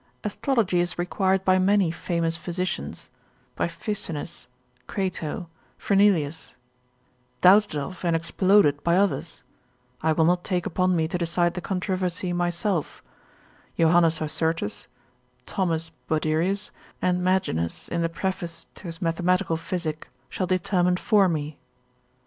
Astrology is required by many famous physicians, by Ficinus, Crato, Fernelius; doubted of, and exploded by others: I will not take upon me to decide the controversy myself, Johannes Hossurtus, Thomas Boderius, and Maginus in the preface to his mathematical physic, shall determine for me.